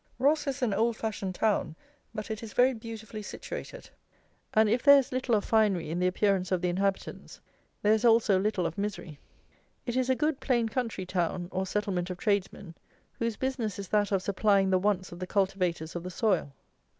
Ross is an old fashioned town; but it is very beautifully situated, and if there is little of finery in the appearance of the inhabitants, there is also little of misery. It is a good, plain country town, or settlement of tradesmen, whose business is that of supplying the wants of the cultivators of the soil.